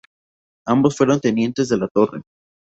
Ambos fueron tenientes de la Torre.